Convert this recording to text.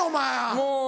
もう。